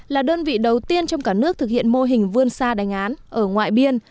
là đơn vị đầu tiên trong cả nước thực hiện mô hình vươn xa đánh án ở ngoại biên